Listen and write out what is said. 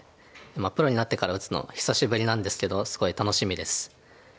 プロになってから打つのは久しぶりなんですけどすごい楽しみです。